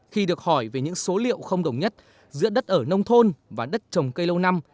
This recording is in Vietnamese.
khi được hỏi về những số liệu không đồng nhất giữa đất ở nông thôn và đất trồng cây lâu năm